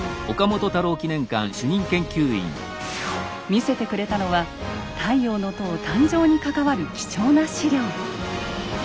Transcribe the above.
見せてくれたのは「太陽の塔」誕生に関わる貴重な資料。